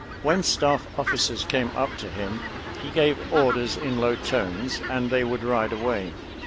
When staff officers came up to him, he gave orders in low tones, and they would ride away.